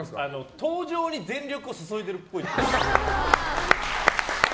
登場に全力を注いでるっぽい。